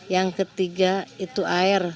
yang ke tiga itu air